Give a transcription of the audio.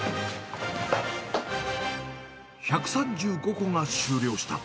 １３５個が終了した。